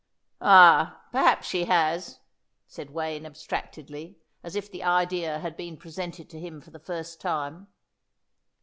"Ah, perhaps she has," said Wayne abstractedly, as if the idea had been presented to him for the first time.